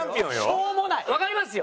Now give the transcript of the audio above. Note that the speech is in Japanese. しょうもない！わかりますよ。